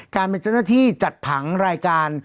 การเป็นเจ้าหน้าที่จัดผังรายการ